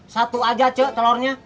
satu aja cik telornya